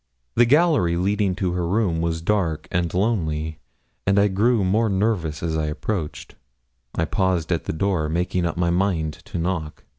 The gallery leading to her room was dark and lonely, and I grew more nervous as I approached; I paused at the door, making up my mind to knock.